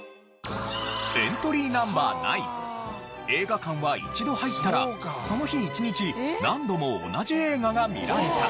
エントリーＮｏ．９映画館は一度入ったらその日一日何度も同じ映画が見られた。